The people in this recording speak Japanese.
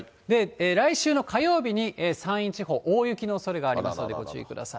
来週の火曜日に山陰地方、大雪のおそれがありますので、ご注意ください。